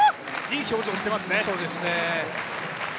いい表情をしていますね。